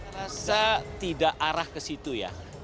saya rasa tidak arah ke situ ya